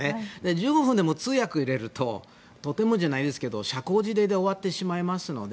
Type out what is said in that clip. １５分でも、通訳入れるととてもじゃないですけど社交辞令で終わってしまいますので。